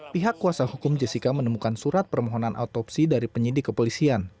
pihak kuasa hukum jessica menemukan surat permohonan otopsi dari penyidik kepolisian